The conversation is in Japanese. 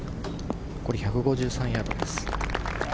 残り１５３ヤードです。